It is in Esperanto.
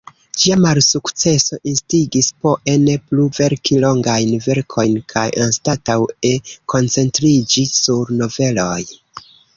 Ĝia malsukceso instigis Poe ne plu verki longajn verkojn, kaj anstataŭe koncentriĝi sur noveloj.